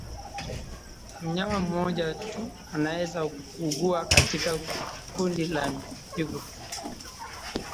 Mnyama mmoja tu anaweza kuugua katika kundi la mifugo